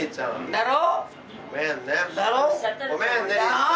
だろ？